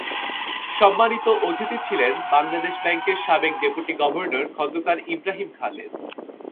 সম্মানিত অতিথি ছিলেন বাংলাদেশ ব্যাংকের সাবেক ডেপুটি গভর্নর খোন্দকার ইব্রাহিম খালেদ।